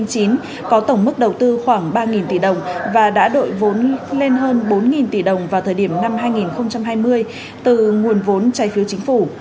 có tổng mức đầu tư khoảng ba tỷ đồng và đã đội vốn lên hơn bốn tỷ đồng vào thời điểm năm hai nghìn hai mươi từ nguồn vốn trai phiếu chính phủ